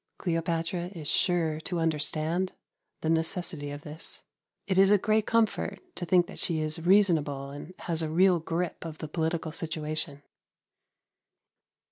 Cleopatra is sure to understand the necessity of this. It is a great comfort to think that she is reasonable and has a real grip of the political situation.